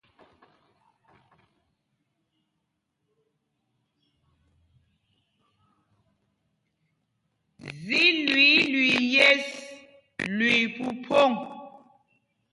Zí lüǐi lüii yes, lüii phúphōŋ.